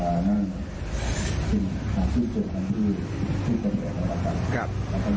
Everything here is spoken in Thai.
ตอนนี้ก็จะเอาคืนให้ดูนะครับ